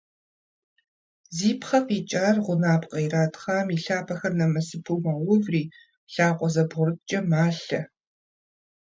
Зи пхъэ къикӀар гъунапкъэ иратхъам и лъапэхэр нэмысыпэу мэуври, лъакъуэ зэбгъурыткӀэ малъэ.